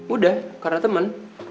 udah karena temen